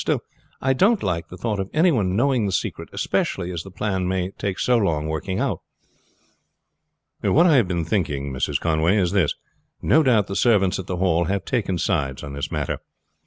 Still I don't like the thought of any one knowing the secret, especially as the plan may take so long working out." "What I have been thinking, Mrs. Conway is this. No doubt the servants at the Hall have taken sides on this matter.